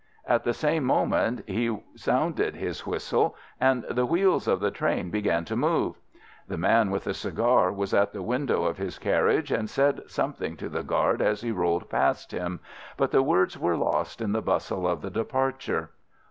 At the same moment he sounded his whistle and the wheels of the train began to move. The man with the cigar was at the window of his carriage, and said something to the guard as he rolled past him, but the words were lost in the bustle of the departure.